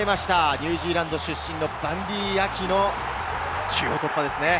ニュージーランド出身のバンディー・アキの中央突破ですね。